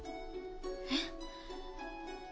えっ？